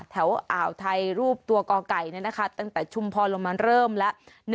แถวอ่าวไทยรูปตัวกอก่ายเนี่ยนะคะตั้งแต่ชุมพอลงมาเริ่มละ